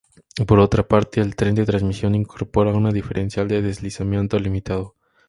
Por otra parte, el tren de transmisión incorpora un diferencial de deslizamiento limitado.